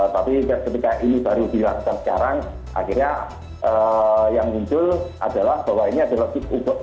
tapi setelah ini baru dilakukan sekarang akhirnya yang muncul adalah bahwa ini adalah sebuah